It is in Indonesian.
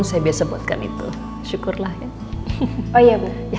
saya biasa buatkan itu syukurlah ya